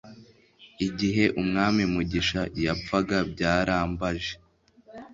Igihe Umwami Mugisha yapfaga byarambaje,